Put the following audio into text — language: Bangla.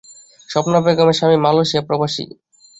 স্বপ্না বেগমের স্বামী মালয়েশিয়াপ্রবাসী।